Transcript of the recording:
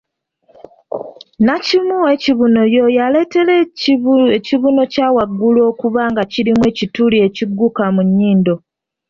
Nnakimu ow'ekibuno y'oyo aleetera ekibuno kya waggulu okuba nga kirimu ekituli ekigguka mu nnyindo